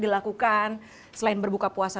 dilakukan selain berbuka puasa